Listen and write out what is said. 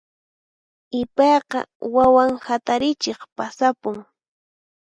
Ipayqa wawan hatarichiq pasapun.